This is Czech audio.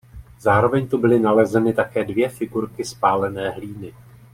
Zároveň tu byly nalezeny také dvě figurky z pálené hlíny.